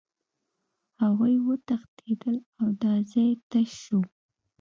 هغوی وتښتېدل او دا ځای تش شو